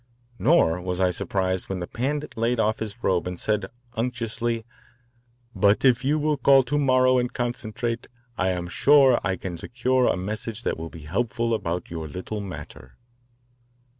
Nor was I surprised when the Pandit laid off his robe and said unctuously, "But if you will call to morrow and concentrate, I am sure that I can secure a message that will be helpful about your little matter."